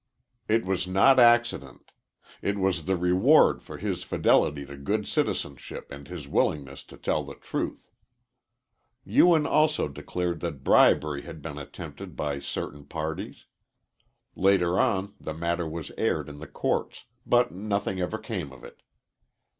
It was not accident. It was the reward for his fidelity to good citizenship and his willingness to tell the truth. Ewen also declared that bribery had been attempted by certain parties. Later on the matter was aired in the courts, but nothing ever came of it.